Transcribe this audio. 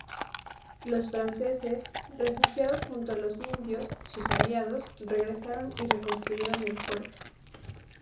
Los franceses, refugiados junto a los indios, sus aliados, regresaron y reconstruyeron el fuerte.